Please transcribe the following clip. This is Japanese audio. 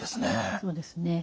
そうですね。